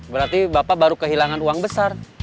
berarti bapak baru kehilangan uang besar